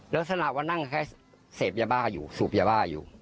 ลักษณะว่านั่งแค่เสพยาบ้าอยู่สูบยาบ้าอยู่